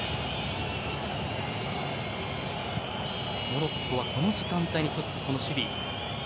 モロッコは、この時間帯に１つ、この守備。